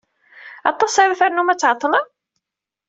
Aṭas ara ternum ad tɛeḍḍlem?